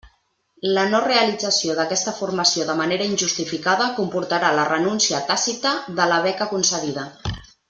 La no realització d'aquesta formació de manera injustificada comportarà la renúncia tàcita de la beca concedida.